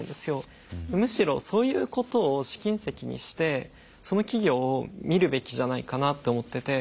むしろそういうことを試金石にしてその企業を見るべきじゃないかなって思ってて。